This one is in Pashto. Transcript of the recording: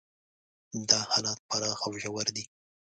دا حالات پراخ او ژور دي.